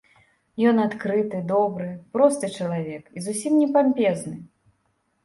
Ён адкрыты, добры, просты чалавек і зусім не пампезны.